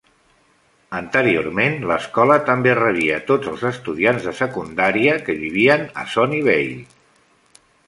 Anteriorment, l'escola també rebia tots els estudiants de secundària que vivien a Sunnyvale.